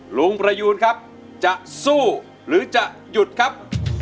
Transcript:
ประยูนครับจะสู้หรือจะหยุดครับ